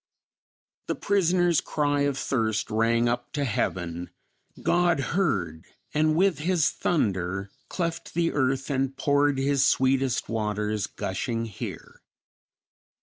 "The prisoner's cry of thirst rang up to heaven; God heard, and with his thunder cleft the earth And poured his sweetest waters gushing here."